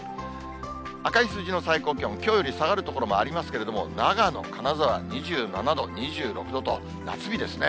赤い数字の最高気温、きょうより下がる所もありますけれども、長野、金沢、２７度、２６度と、夏日ですね。